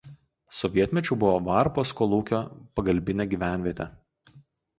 Sovietmečiu buvo „Varpos“ kolūkio pagalbinė gyvenvietė.